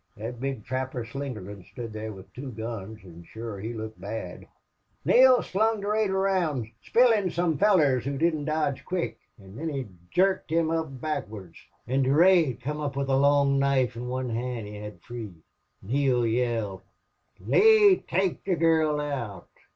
Thot big trapper Slingerland stood there with two guns, an' shure he looked bad. Neale slung Durade around, spillin' some fellars who didn't dodge quick, an' thin he jerked him up backwards. "An' Durade come up with a long knife in the one hand he had free. "Neale yelled, 'Lee, take the gurl out!